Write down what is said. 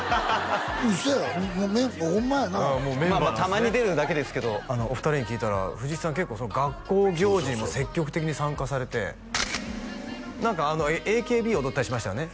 嘘やホンマやなまあまあたまに出るだけですけどお二人に聞いたら藤木さん結構学校行事にも積極的に参加されて何かＡＫＢ踊ったりしましたよね